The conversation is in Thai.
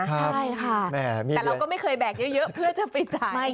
ใช่ค่ะแต่เราก็ไม่เคยแบกเยอะเพื่อจะไปจ่าย